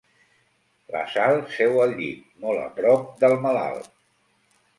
La Sal seu al llit, molt a prop del malalt.